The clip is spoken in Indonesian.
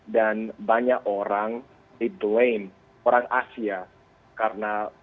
dan banyak orang menyalahkan orang asia karena